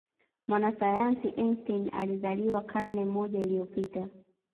mwanasayansi einstein alizaliwa karne moja iliyopita